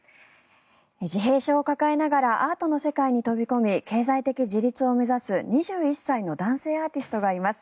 自閉症を抱えながらアートの世界に飛び込み経済的自立を目指す２１歳の男性アーティストがいます。